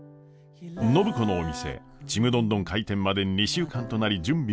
暢子のお店ちむどんどん開店まで２週間となり準備も着々。